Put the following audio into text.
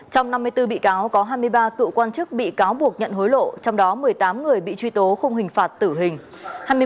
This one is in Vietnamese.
trong năm mươi bốn bị cáo có hai mươi ba cựu quan chức bị cáo buộc nhận hối lộ trong đó một mươi tám người bị truy tố không hình phạt tử hình